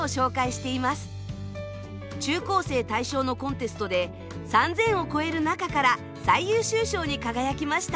中高生対象のコンテストで３，０００を超える中から最優秀賞に輝きました。